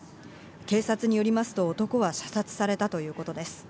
警察によりますと男は射殺されたということです。